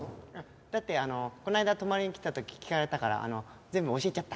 だってあのこの間泊まりに来た時聞かれたから全部教えちゃった。